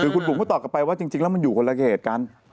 คือคุณบุ๋มก็ตอบกลับไปว่าจริงแล้วมันอยู่คนละเขตกัน